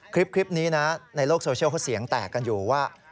คลิปนี้นะในโลกโซเชียลเขาเสียงแตกกันอยู่ว่า